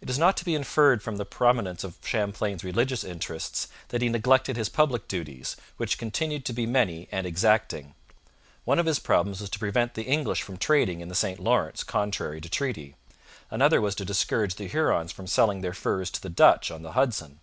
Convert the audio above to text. It is not to be inferred from the prominence of Champlain's religious interests that he neglected his public duties, which continued to be many and exacting. One of his problems was to prevent the English from trading in the St Lawrence contrary to treaty; another was to discourage the Hurons from selling their furs to the Dutch on the Hudson.